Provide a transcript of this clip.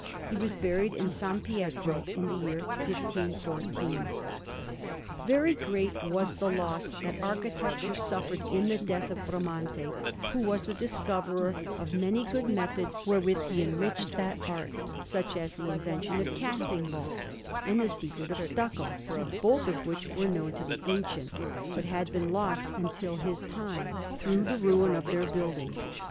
He was buried in S. Pietro, in the year 1514. [Illustration: PALAZZO GIRAUD (After Bramante da Urbino. Rome) Anderson] Very great was the loss that architecture suffered in the death of Bramante, who was the discoverer of many good methods wherewith he enriched that art, such as the invention of casting vaults, and the secret of stucco; both of which were known to the ancients, but had been lost until his time through the ruin of their buildings.